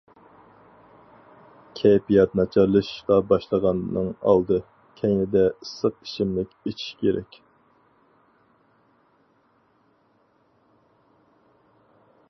كەيپىيات ناچارلىشىشقا باشلىغاننىڭ ئالدى- كەينىدە ئىسسىق ئىچىملىك ئىچىش كېرەك.